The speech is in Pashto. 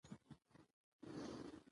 نانوايي ته ځم